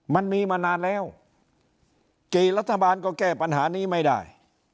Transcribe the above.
มันมีมานานแล้วกี่รัฐบาลก็แก้ปัญหานี้ไม่ได้